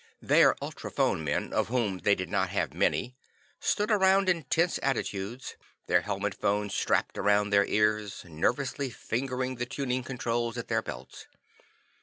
Their ultrophone men, of whom they did not have many, stood around in tense attitudes, their helmet phones strapped around their ears, nervously fingering the tuning controls at their belts.